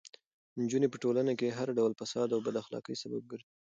نجونې په ټولنه کې د هر ډول فساد او بد اخلاقۍ سبب ګرځي.